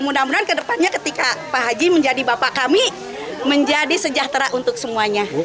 mudah mudahan kedepannya ketika pak haji menjadi bapak kami menjadi sejahtera untuk semuanya